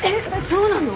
そうなの？